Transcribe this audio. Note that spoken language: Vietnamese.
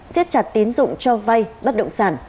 siết chặt tín dụng cho vay bất động sản